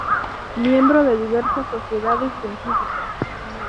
Miembro de diversas sociedades científicas.